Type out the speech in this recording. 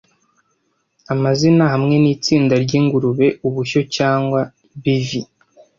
Amazina - hamwe nitsinda ryingurube Ubushyo cyangwa Bevy